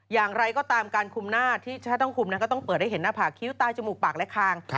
อย่างไรก็ตามการคุมหน้าที่ถ้าต้องคุมก็ต้องเปิดให้เห็นหน้าผากคิ้วใต้จมูกปากและคาง